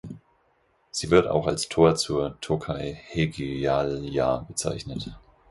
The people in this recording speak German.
Sie wird auch als Tor zur Tokaj-Hegyalja bezeichnet.